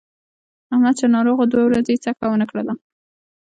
احمد چې ناروغ و دوه ورځې یې څکه ونه کړله.